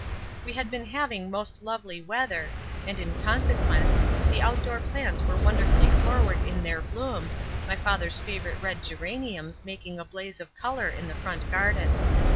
We had been having most lovely weather, and in consequence, the outdoor plants were wonderfully forward in their bloom, my father's favorite red geraniums making a blaze of color in the front garden.